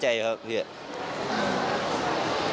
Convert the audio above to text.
ใจหายครับเสียใจครับพี่